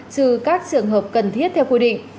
trừ các trường hợp cần thiết theo quy định